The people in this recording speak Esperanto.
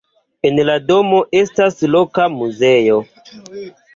En la domo estas loka muzeo.